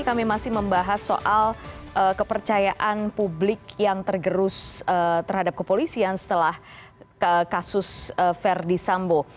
kami masih membahas soal kepercayaan publik yang tergerus terhadap kepolisian setelah kasus verdi sambo